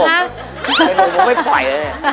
ไม่รู้ไม่ปล่อยเลย